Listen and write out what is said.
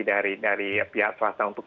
dari pihak swasta untuk